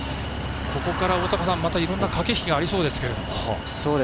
ここからまた、いろんな駆け引きがありそうですけれども。